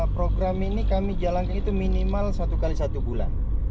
program ini kami jalankan itu minimal satu x satu bulan